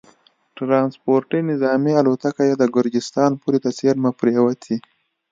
ټرانسپورټي نظامي الوتکه یې د ګرجستان پولې ته څېرمه پرېوتې